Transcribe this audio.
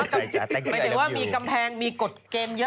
หมายถึงว่ามีกำแพงมีกฎเกณฑ์เยอะ